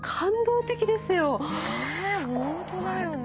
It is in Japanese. ねえ本当だよね。